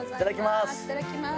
いただきます！